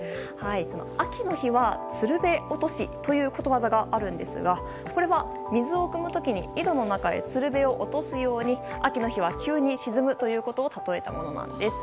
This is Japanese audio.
秋の日は釣瓶落としということわざがあるんですがこれは水をくむ時に井戸の中へ釣瓶を落とすように秋の日は急に沈むことを例えたものです。